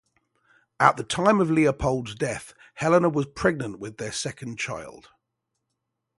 At the time of Leopold's death, Helena was pregnant with their second child.